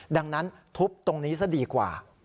ดังนั้นทุบตรงนี้ซะดีกว่า